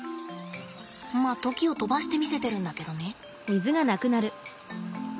ま時を飛ばして見せてるんだけどね。